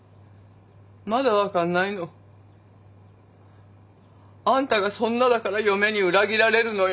まだ分かんないの？あんたがそんなだから嫁に裏切られるのよ。